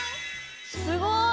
すごい！